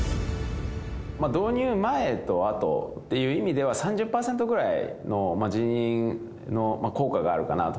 導入前とあとっていう意味では、３０％ぐらいの人員の効果があるかなと。